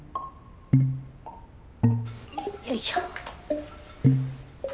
よいしょ。